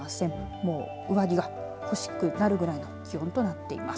もう上着が欲しくなるぐらいの気温となっています。